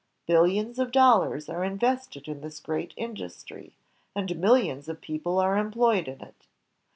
Billions of dollars are invested in this great industry, and millions of people are employed in it.